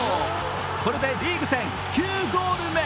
これでリーグ戦９ゴール目。